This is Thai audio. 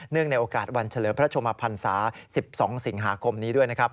ในโอกาสวันเฉลิมพระชมพันศา๑๒สิงหาคมนี้ด้วยนะครับ